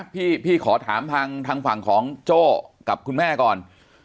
พี่ขอถามทางฝั่งของโจ้กับคุณแม่ก่อน